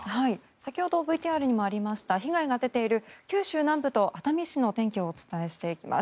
先ほどＶＴＲにもありました被害が出ている九州南部と熱海市の天気をお伝えしていきます。